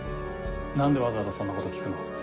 なんでわざわざそんな事聞くの？